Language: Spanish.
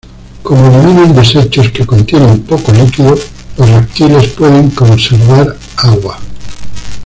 Como eliminan desechos que contienen poco líquido, los reptiles pueden conservar agua.